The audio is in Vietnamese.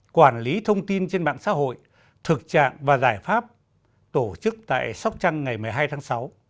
quản lý thông tin trên mạng xã hội thực trạng và giải pháp tổ chức tại sóc trăng ngày một mươi hai tháng sáu